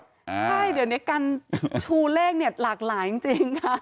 ใช่เดี๋ยวนี้การชูเลขเนี่ยหลากหลายจริงค่ะ